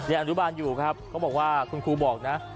อนุบาลอยู่ครับเขาบอกว่าคุณครูบอกนะ